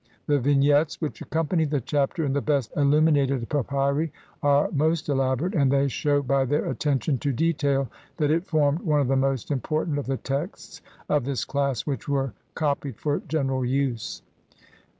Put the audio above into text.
The Vignettes which accompany the Chapter in the best illuminated papyri are most elaborate, and they shew by their attention to detail that it formed one of the most important of the texts of this class which were co pied for general use.